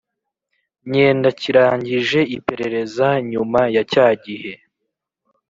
Myendakirangije iperereza nyuma ya cya gihe